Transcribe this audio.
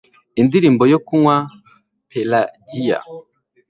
Indirimbo yo Kunywa Pelagiya